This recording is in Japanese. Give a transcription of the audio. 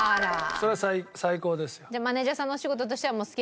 それは最高ですよ。